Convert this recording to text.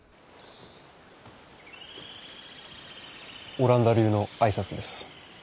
オランダ流の挨拶です。